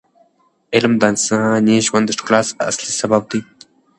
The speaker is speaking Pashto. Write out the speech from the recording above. علم د انساني ژوند د ښکلا اصلي سبب دی.